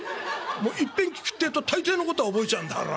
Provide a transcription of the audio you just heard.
いっぺん聞くってえと大抵のことは覚えちゃうんだから。